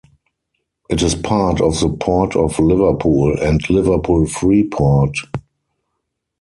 It is part of the Port of Liverpool and Liverpool Freeport.